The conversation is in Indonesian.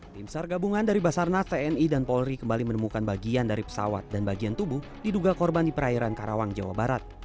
tim sar gabungan dari basarnas tni dan polri kembali menemukan bagian dari pesawat dan bagian tubuh diduga korban di perairan karawang jawa barat